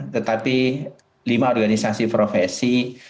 tetapi lima organisasi profesi